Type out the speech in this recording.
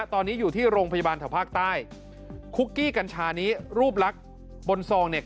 ตอนนี้อยู่ที่โรงพยาบาลแถวภาคใต้คุกกี้กัญชานี้รูปลักษณ์บนซองเนี่ย